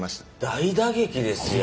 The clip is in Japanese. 大打撃ですやん。